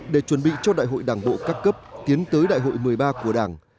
để chuẩn bị cho đại hội đảng bộ các cấp tiến tới đại hội một mươi ba của đảng